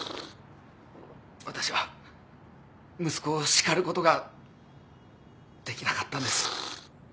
私は息子を叱ることができなかったんです。